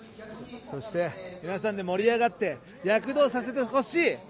そして、皆さんで盛り上がって躍動させてほしい。